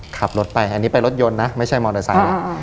ขับรถไปอันนี้ไปรถยนต์นะไม่ใช่มอเตอร์ไซค์